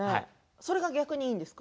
それが逆にいいんですか。